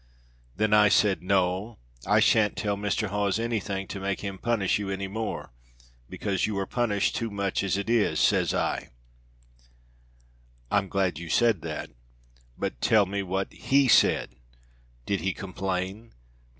"Then I said, 'No! I shan't tell Mr. Hawes anything to make him punish you any more, because you are punished too much as it is,' says I " "I am glad you said that. But tell me what he said. Did he complain?